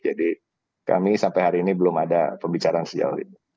jadi kami sampai hari ini belum ada pembicaraan sejauh ini